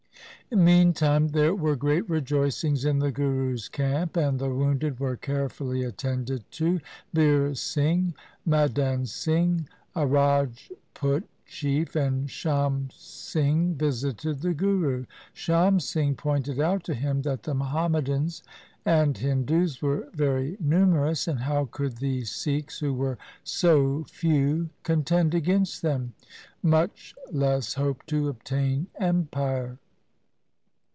Meantime there were great rejoicings in the Guru's camp, and the wounded were carefully attended to. Bir Singh, Madan Singh, a Rajput chief, and Sham Singh visited the Guru. Sham Singh pointed out to him that the Muhammadans and Hindus were very numerous, and how could the Sikhs who were so few contend against them, much less hope to obtain empire